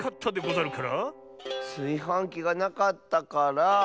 すいはんきがなかったから。